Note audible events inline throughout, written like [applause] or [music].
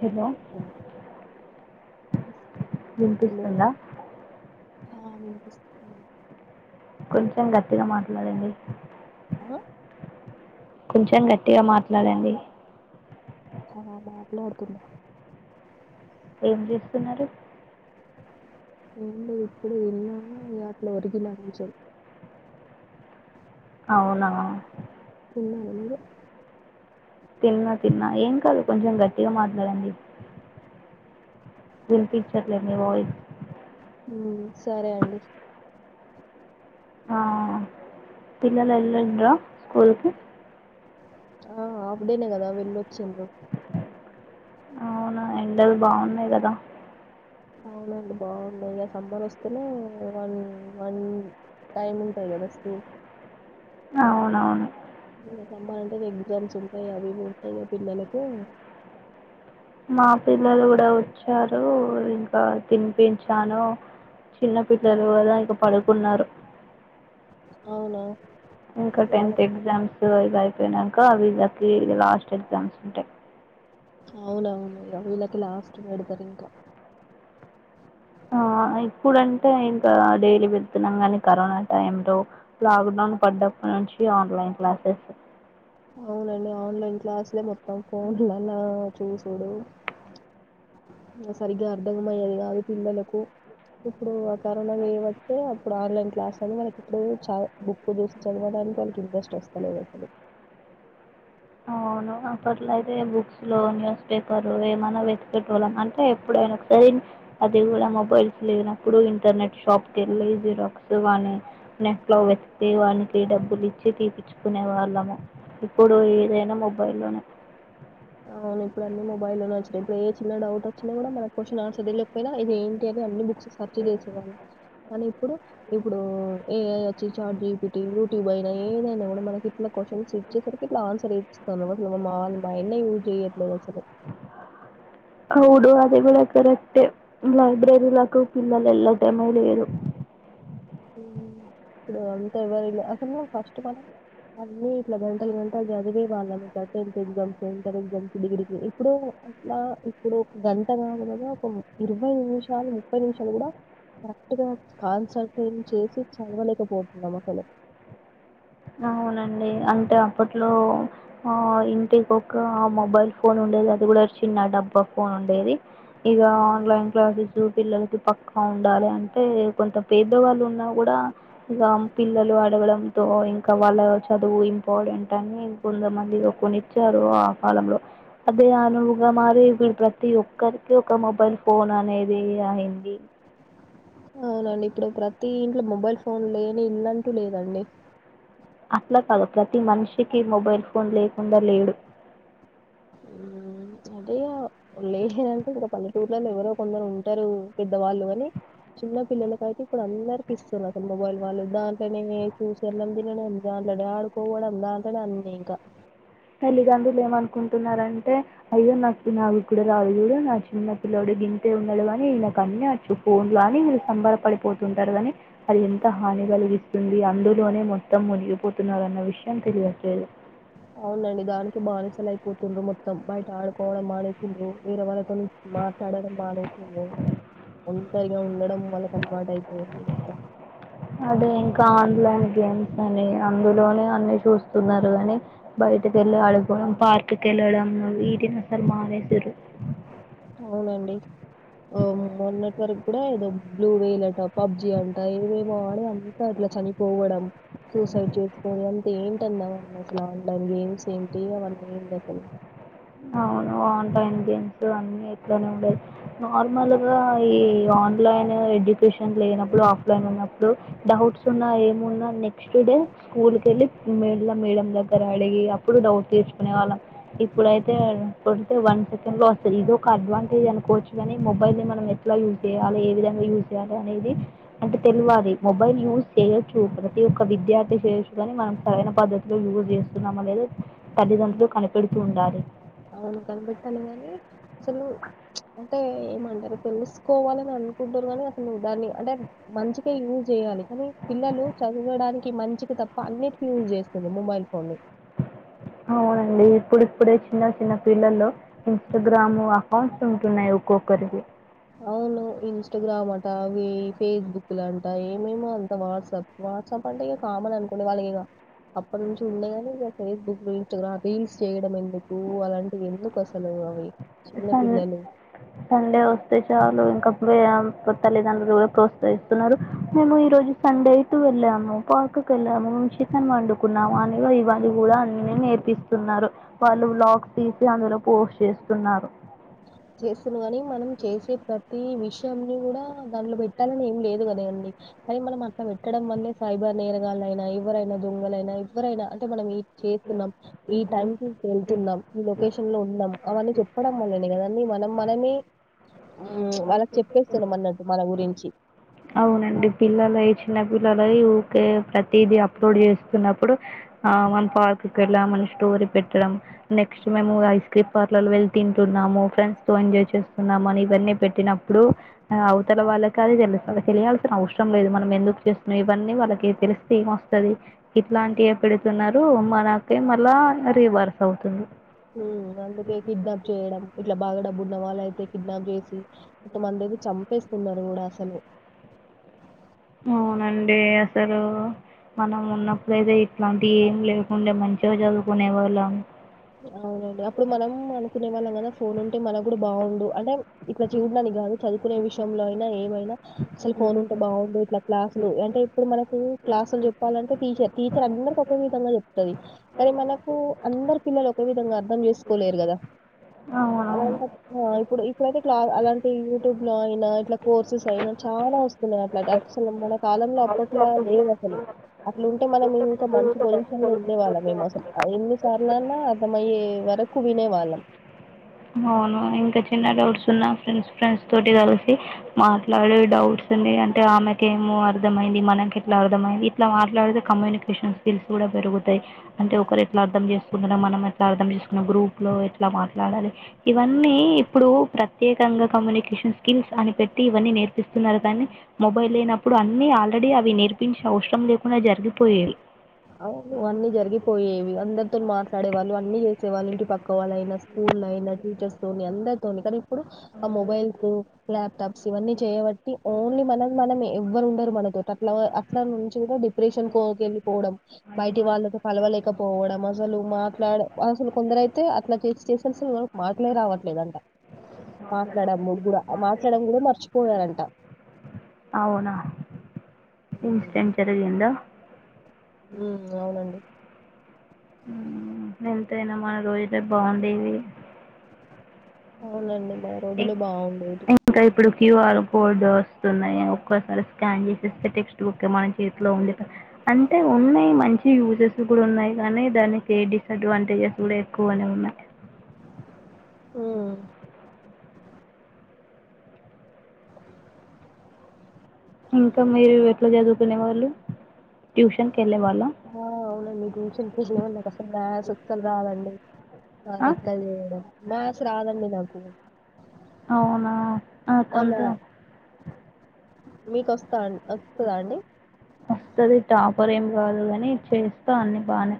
Hello వినిపిస్తుందా మపిస్త కొంచెం గట్టిగా మాట్లాడండి ఆ కొంచెం గట్టిగా మాట్లాడండి ఆ మాట్లాడుతున్న ఏం చేస్తున్నారు ఏం లేదు ఇప్పుడే తిన్న అట్లో ఒరిగిన కొంచం అవునా తిన్నావా నువ్వు తిన్నా తిన్నా ఏం కాదు కొంచెం గట్టిగా మాట్లాడండి వినిపించట్లేదు మీ వాయిస్ సరే అండి పిల్లలు వెళ్ళండరా స్కూల్కి ఆ హాఫ్ డేనే కదా వెళ్ళొచ్చిందు్ర అవునా ఎండలు బాగున్నాయి కదా అవునండి బాగున్నాయి ఇక సమ్మర్ వస్తేనే వన్ వన్ టైం ఉంటాయి కదా స్కూల్ అవునవును ఇంకా సమ్మర్ అంటే ఎగ్జామ్స్ ఉంటాయి అవి పూతాయిగా పిల్లలకు మా పిల్లలు కూడా వచ్చారు ఇంకా తినిపించాను చిన్న పిల్లలు కదా ఇంక పడుకున్నారు అవునా ఇంకా వాళ్ళ టెన్త్ ఎగ్జామ్ ఇవి అయిపోయినాక వీళ్లకి ఇగ లాస్ట్ ఎగ్జామ్స్ ఉంటాయి అవును అవును ఇగ వీళ్లకి లాస్ట్ పెడుతారు ఇగ ఆ ఇప్పుడంటే ఇంకా డైలీ వెళ్తున్నాం కానీ కరోనా టైంలో లాక్డౌన్ పడ్డప్పటి నుంచి ఆన్లైన్ క్లాసెస్ అవునండి ఆన్లైన్ క్లాసులే మొత్త తం [unintelligible] చూసుడు సరిగ్గా అర్ధకం అయ్యేది కాదు పిల్లలకు ఇప్పుడు కరోనా చేయబట్టే అప్పుడు ఆన్లైన్ క్లాస్ అని వాళ్ళకి ఇప్పుడు చ బుక్ చూసి చదవడానికి అంత ఇంట్రెస్ట్ వస్తలేదు అసలు ఆ అవును అప్పట్లో అయితే బుక్స్ లో న్యూస్ పేపర్లో ఏమన్నా వెతికేటోళ్ళం అంటే ఎప్పుడైనా ఒకసారి అది కూడా మొబైల్స్ లేనప్పుడు ఇంటర్నెట్ షాప్కి వెళ్ళి జీరాక్స్ వాని నెట్ లో వెతికి వానికి డబ్బులు ఇచ్చి తీపిచ్చుకునే వాళ్ళము ఇప్పుడు ఏదైనా మొబైల్లోనే అవును ఇప్పుడు అన్ని మొబైల్ల్లో వచ్చినయి ఇప్పుడు ఏ చిన్న డౌట్ వచ్చినా కూడా మన క్వశ్చన్ మాత్రమే తెలియకపోయినా ఇదేంటి అనీ సెర్చ్ చేసేవాళ్ళం ఇప్పుడు ఇప్పుడు ఏ ఐ వచ్చి చాట్ జిపిటి, యూట్యూబ్ అయినా ఏదైనా కూడా మనకి ఇట్లా క్వశ్చన్స్ ఇచ్చేసరికి ఇట్లా ఆన్సర్ ఇస్తాంది [unintelligible] చేయట్లేదసలు అవును అది కూడా కరక్టే లైబ్రరీలకు పిల్లలు ఎల్లడం లేదు ఇప్పుడు అంతా ఎవ్వర అసలు ఫస్ట్ఫ్ల్ అన్ని ఇట్లా గంటలు గంటలు చదివే వాళ్ళం ఇట్లా టెన్త్ ఎగ్జామ్స్ ఇంటర్ ఎగ్జామ్స్ డిగ్రీకి ఇప్పుడు అట్లా ఇప్పుడు ఒక గంట కాదు కద ఒక ఇరవై నిమిషాలు ముప్పై నిమిషాలు కూడా కరెక్ట్గా కాన్సట్ ట్రేట్ చేసి చదవలేకపోతునం అసలే అవునండి అంటే అప్పట్లో ఆ ఇంటికి ఒక మొబైల్ ఫోన్ ఉండేది అది కూడా చిన్న డబ్బా ఫోన్ ఉండేది ఇగ ఆన్లైన్ క్లాసస్ పిల్లలకి పక్కా ఉండాలి అంటే కొంత పేదవాళ్ళు ఉన్నా కూడా ఇక పిల్లలు అడగడంతో ఇంకా కా వాళ్ళ చదువు ఇంపార్టెంట్ అని కొంతమంది కొనిచ్చారు ఆ కాలంలో అదే అనువుగా మరి ఇపుడు ప్రతి ఒక్కరికి ఒక మొబైల్ ఫోన్ అనేది అయింది అవునండి ఇప్పుడు ప్రతి ఇంట్లో మొబైల్ ఫోన్ లేని ఇల్లంటూ లేదండి అట్లా కాదు ప్రతి మనిషికిీ మొబైల్ ఫోన్ లేకుండ లేడు అదే లేరంటే ఇగ పల్లెటూర్లలో ఎవరో కొందరు ఉంటరు పెద్దవాళ్ళు కాని చిన్న పిల్లలకయితే ఇప్పుడు అందరికి ఇస్తున్నారు అసలు మొబైల్ వాళ్ళు దాని నే చూసి అన్నం తినడం దాంట్లనే ఆడుకోవడం దాంట్లనే అన్ని ఇకా తల్లిదండ్రులు ఏమనుకుంటున్నారంటే అయ్యో నాకు [unintelligible] నా చిన్న పిల్లడు గింతే ఉన్నడు కాని ఈయనకు అన్ని వచ్చు ఫోన్లో అని వీళ్ళు సంబరపడిపోతుంటరు కాని అది ఎంత హానిగలిగిస్ స్తుంది అందులోనే మొత్తం మునిగిపోతున్నరన్న విషయం తెలియట్లేదు అవునండి దానికి బానిసలు అయిపోతుండ్రు మొత్తం బయట ఆడుకోవడం మానేస్తుండ్రు వేరే వాళ్ళతో మాట్లాడడం మానేసిండ్రు ఒంటరిగా ఉండడం వాళ్ళకు అలవాటు అయిపోతుంది మొత్తం అదే ఇంకా ఆన్లైన్ గేమ్స్ అని అందులోనే అన్ని చూస్తున్నారు కానీ బయటక వెళ్ళి ఆడుకోవడం పార్కు కెళ్ళడం వీటిని అసలు మానేసిన్రు అవునండి మొన్నటి వరకు కూడా ఏదో బ్లూవేల్ అంట పబ్జి అంట ఏవేవో ఆడి అంత అట్లా చనిపోవడం సూసైడ్ చేసుకొని అంత ఏంటన్నా [unintelligible] అట్లా ఆన్లైన్ గేమ్స్ ఏంటి అవన్నీ ఎంది అస్సలు అవును ఆన్లైన్ గేమ్స్ అన్నీ ఇట్లానే ఉండేయి నార్మల్గా ఈ ఆన్లైన్ ఎడ్యుకేషన్ లేనప్పుడు ఆఫ్లైన్ ఉన్నప్పుడు డౌట్స్ ఉన్నా ఏమున్నా నెక్స్ట్ డే స్కూల్కి వెళ్లి మళ మేడమ్ దగ్గర అడిగి అప్పుడు డౌట్ తీర్చుకునే వాళ్ళం ఇప్పుడైతే తే వన్ సెకండ్ లో వస్తుంది ఇది ఒక అడ్వాంటేజ్ అనుకోవచ్చు కాని మొబైల్ ని మనం ఎట్లా యూజ్ చేయాలి ఏ విధంగా యూజ్ చేయాలి అనేది అంటే తెలివాలి మొబైల్ యూజ చేయొచ్చు ప్రతి ఒక్క విద్యార్థి చేయొచ్చు కాని మనం సరైన పద్ధతిలో యూజ్ చేస్తున్నాందా తల్లిదండ్రులు కనిపెడుతూ ఉండాలి అవును కనిపెట్టాలి ని అసలు అంటే ఏమంటారు తెలుసుకోవాలని అనుకుంటారు కానీ అసలు నువ్వు దాన్ని అంటే మంచిగా యూజ్ చేయ్యాలి కానీ పిల్లలు చదవడానికి మంచికి తప్ప అన్నిటి యూజ్ చేస్తుంది మొబైల్ ఫోన్ని అవునండి ఇప్పుడిప్పుడే చిన్న చిన్న పిల్లల్లో ఇన్స్టాగ్రామ్ అకౌంట్స్ ఉంటున్నాయి ఒక్కొక్కరికి అవును ఇన్స్టాగ్రామ్ అట ఫేస్బుక్ లాంట ఏమేమో అంత వాట్సాప్ వాట్సాప్ అంటే ఇక కామన్ అనుకోండి వాళ్ళకిక అప్పటి నుంచి ఉండే గా ఇది ఒక ఫేస్ బుక్ రీల్స్ చేయడం ఎందుకు అలాంటివి ఎందుకు వ తెలువద్ది అవి చిన్న స పిల్లలు సండే వ చలు ఇంకా తల్లిదండ్రులు కూడా ప్రోత్సహిస్తున్నారు మేము ఈ రోజు సండే వెళ్ళాము పార్క్కి వెళ్ళాము మేము చికెన్ వండుకున్నాము అని ఇవళ కూడా అన్ని నేర్పిస్తున్నారు వాళ్ళు లాక్ తీ అందులో పోషష్ చేస్తూన్నారు చేస్తును కాని మనం చేసే ప్ర ఈ విషయాన్ని కూడా దాంట్లో పెట్టాలని ఏం లేదు కదా ంది కానీ మన మత పె ఇక్కడ మళ్ళీ సైబర్ నేరగాలైన ఎప్ ఎవరైనా దొంగలైనా ఎవరైనా అంటే మనం ఇ చేస్తున్నం ఈ టైం కి వెళ్తునం ఈ లొకేషన్ లో ఉన్నాం అవన్ని చెప్పడం గద్దని మనం మనమే హు వాళ్ళకి చెప్పేస్తున్నాం అన్నట్టు మన గురించి అవునండి పిల్లలై చిన్న పిల్లలై ఊకే ప్రతిది అప్లోడ్ చేస్తున్నప్పుడు ఆ వన్ పాతూ పెళ్ళమని స్టోరీ పెట్టడం నెక్స్ట్ మేము ఐస్ క్రీమ్ పార్లర్ లో వెళ్ళి తింటున్నాము ఫ్రెండ్స్ తో ఎంజాయ్ చేస్తున్నాము అని ఇవన్నీ పెట్టినప్పుడు అవతల వాళ్ళకి అది తెలు వాళ్ళకి తెలియాల్సిన అవసరం లేదు మనం ఎందుకు చేస్తున్నాం ఇవన్నీ వాళ్ళకి తెలిస్తే ఏంవస్తది ఇట్లాంటివి పెడుతున్నారు మనకే మళ్ళా రీవర్స్ అవుతుంది హ్మ్మ్ అందుకే కిడ్నాప్ చేయడం ఇట్లా బాగా డబ్బులు నావాలైతే కిడ్నాప్ చేసి ఇంత మందిది చంపేస్త ఉన్నాడు కూడా అసలు అవునండి అసలు మనం ఉన్నపుడైతే ఇట్లాంటి ఏం లేకుండే మంచిగా చదువుకునే వాళ్ళం అవునండి అప్పుడు మనం అనుకునే వాళ్ళం కదా ఫోన్ ఉంటే మనకి కూడా బాగుండు అంటే ఇట్లా చూడానికి కాదు చదువుకునే విషయంలో అయినా ఏమైనా అసలు ఫోన్ ఉంటే బాగుండు ఇట్లా క్లాసులు అంటే ఇపుడు మనకు క్లాసులు చెప్పాలంటే టీచర్ టీచర్ అందరికి ఓకే విధంగా చెప్తది కానీ మనకు అందరు పిల్లలు ఓకే విధంగా అర్థం చేసుకోలేరు కదా అవునవును అలాంటప్ ఆ ఇప్పుడు ఇప్పుడైతే క్లా అలాంటి యూట్యూబ్ లో అయినా ఇట్లా కోర్సెస్ అయినా చాలా వస్తున్నాయి అట్లాట్ అసలు మన కాలంలో అప్పట్లా లేవు అసలు అట్లుంటే మనం ఇంకా మంచి పొజిషన్ లో ఉండే వాళ్ళం మేము అసలు ఎన్నిసార్లు వినాలా అర్ధమైయే వరకు వినే వాళ్ళం నో నో ఇంకా చిన్న డౌట్స్ ఉన్నా ఫ్రెండ్స్ ఫ్రెండ్స్ తోటి కలిసి మాట్లాడే డౌట్స్ ఉంది అంటే ఆమెకి ఏమో అర్థమయింది మనకి ఇట్లా అర్థమైంది ఇట్లా మాట్లాడితే కమునికేషన్ స్కిల్స్ కూడా పెరుగుతాయి అంటే ఒకరు ఎట్లా అర్ధం చేస్త కొంటున్నాం మనం ఎట్లా అర్థం చేసుకున్న గ్రూప్ లో ఎట్లా మాట్లాడాలి ఇవన్ని ఇప్పుడు ప్రతి ప్రత్యేకంగా కమ్యూనికేషన్ స్కిల్స్ అని పెట్టి ఇవన్ని నేర్పిస్తున్నారు కానీ మొబైల్ లేనప్పుడు అన్ని ఆల్రెడీ అవి నేర్పించిన్న అవసరం లేకుండా జరిగిపోయేవి అవును ఇవన్నీ జరిగిపోయేవి అందర్ తోని మార్ట్ పడే వాళ్ళు అన్ని చేసే వాళ్ళు ఇంటి పక్క వాళ్ళైన స్కూలైన టీచర్స్ తోని అందర తోని కాని ఇప్పుడు ఆ మొబైల్సు ల్యాప్ టప్స్ ఇవన్ని చేయవట్టి ఓన్లీ మనం మనమే ఎవరు ఉండరు మన డేట్ అట్ అట్లా అంట్లో నుంచి కూడా డీప్రేషన్ ఒకే అని వెళ్ళిపోవడం బయటి వాళ్ళతో కలవలేకపోవ ఇపుడు ఆమె అసలు మాట్లాడ అసలు కొందరైతే అట్లా చేసి చేసుకొనిస్తారు కాని మాట్లే రావట్లేదంట మాట్లాడము కూడా మాట్లాడం కూడా మర్చిపోయారంట అవునా హ్మ్. ఇన్సిడెంట్ట్ జరిగిందా హ్మ్ అవునండి ఎంతయినా మన రోజులే బాగుండేవి అవునండి మన రోజులే బాగుంది ఇంకా ఇప్పుడు క్యూఆర్ కోడ్ వస్తున్నాయి ఒక్కోసారి స్కాన్ చేసేస్తే టెక్స్ట్ బుక్ మన చేతిలో ఉండే అంటే ఉన్నాయి మంచి యూజెస్ కూడా ఉన్నాయి కానీ దానికి డిసఅడ్వాంటేజెస్ కూడా ఎక్కువనే ఉన్నాయి హ్మ్ ఇంకా మీరు ఎట్లా చదువుకునే వాళ్ళు ట్యూషన్ ఆ అవునండి ట్యూషన్ పూసిన వాళ్ళ నాకు అసలు మ్యాథ్స్ అసలు రాదండి ఆ లెక్కలు చేయడం మ్యాథ్స్ రాదండి నాకు అవునా ఆ కొంత మ్యా మీ కొస్ తాన్ వత్తుదా అండి పొరేం కాదు కాని చేస్తా అన్నీ బానే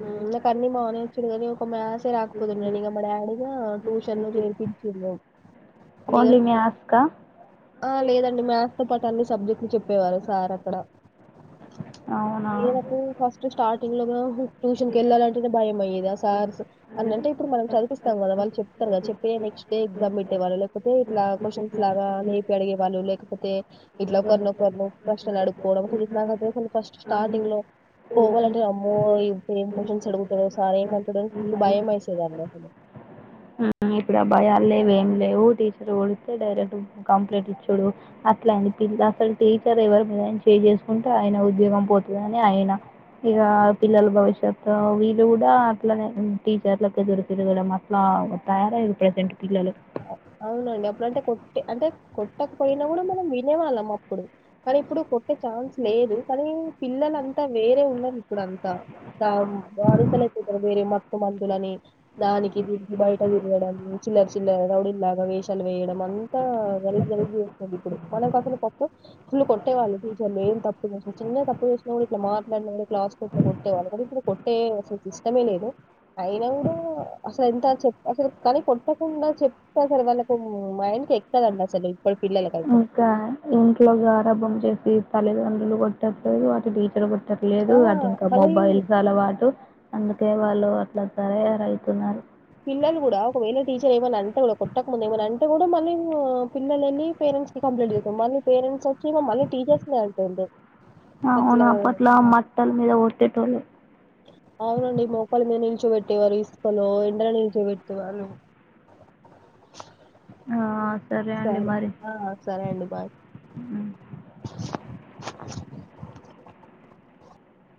మ్మ్ నాకన్నీ బానే [unintelligible] చ్చుడు గదే కొ మ్యాస్ సే రాకపోదును గాని ఇగ మా డాడిగా ట్యూషన్లో చేర్పించిర్రు ఇగ ఓన్లీ మ్యాథ్స్కా ఆ లేదండి మ్యాథ్స్ తో పాటు అన్ని సబ్జెక్ట్లు చెప్పేవారు సార్ అక్కడ అవునా నేనెప్పుడు ఫస్ట్ స్టార్ టిల్లదోహు ట్యూషన్ కి ఎళ్ళాలంటేనే భయం అయ్యేది ఆ సార్స్ అన్నంటే ఇప్పుడు మనం చదిపిస్తాం కదా వాళ్ళు చెప్తరు గా చెప్పే నెక్స్ట్ డే ఎగ్జాం పెట్టేవాళ్ళల లేకపోతే ఇట్లా క్వషన్స్ లాగా లే అడిగే వాళ్ళు లేకపోతే ఇట్లా ఒకరినొకరినో ప్రశ్నలు అడుక్కోవడం [unintelligible] ఫస్ట్ స్టార్టింగ్ లో పోవాలంటే అమ్మో ఇదేం క్వశ్చన్స్ అడుగుతడో సార్ ఏమంటాడోని ఫుల్ భయం ఎసేదండి ఇప్పుడు ఆ భయాలు లేవు ఏం లేవు టీచర్ కొడితే డైరెక్ట్ కంప్లైట్ ఇచ్చుడు అట్లా అండి పిల్ల అసలు టీచర్ ఎవరుమీదైనా చెయ్ చేసుకుంటే ఆయన ఉద్యోగం పోతుదని ఆయన ఇక పిల్లల భవిష్ ట తో వీళ్ళు కూడా అట్లనే ఉమ్ టీచర్లకు ఎదురు తిరగడం అట్లా తయారయ్యిర్రు ప్రెసెంట్ అవునండి అప్పుడు అంటే కొట్టే అంటే కొట్టకపోయినా కూడా మనం వినేవాళ్ళం అప్పుడు కానీ ఇప్పుడు కొట్టే ఛాన్స్ లేదు కానీ పిల్లలంతా వేరే ఉన్నరు ఇప్పుడంతా దాం బానిలైపోతారు వేరే మత్తు మందులని దానికి దీనికి బయట ది రగడం చిల్లర పిల్ల రౌడల్లాగా వేషాలు వేయడం అంతా గలీజు గలీజు చేస్తుందిప్పుడు మనకు అసలు కొత్త ఫుల్లు కొట్టేవాళ్ళు టీచర్లు ఏం తప్పు చేసిన చిన్న తప్పు చేసిన కూడా ఇట్లా మాట్లాడిన కూడా ఇట్లా క్లాస్ [inaudible] లో కొట్టేవాళ్ళు కానీ ఇప్పుడు కొట్టే సుతిష్టమే లేదు అయినా కూడా అసలు ఎంత చెప్ అసలు కానీ కొట్ట పుంగా చెప్తా అసలు వాళ్ళకు మైండ్ కెక్కదండి అసలు ఇప్పటి పిల్లలకైతే ఇంకా ఇంట్లో గరాబం చేసి తల్లిదన్ లు కొట్టట్లేదు అటు టీచరు ఆ ట్టల్లేదు అటు ఇంకా మళ్ళీ మొబైల్స్ అలవాటు అందుకే వాళ్ళు అట్లా సరే అదైతే మరి పిల్లలు కూడా ఒకవేళ టీచర్ ఏమన్నా అంటే కూడా కొట్టక ముందు ఏమైనా అంటే కూడా మళ్ళీ ఉమ్మ్ పిల్లలెళ్ళి పేరెంట్స్ కంప్లైంట్ చేస్తాం మళ్ళీ పేరెంట్ వచ్చి మ మళ్ళీ టీచర్స్ నే అంటుంటే అవును అప్పట్లో మట్టల మీద కొట్టేటోళ్ళు అవునండి మోకాలు మీనిల్ చో పెట్టేవారు ఇసుకలో ఎండల నిల్చోపెట్టేవాళ్ళు ఆ! అండి సరే మరి ఆ సరే అండి బాయ్ హ్మ్.